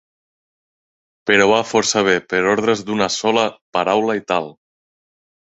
Però va força bé per ordres d'una sola paraula i tal.